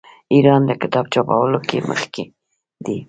ایران د کتاب چاپولو کې مخکې دی.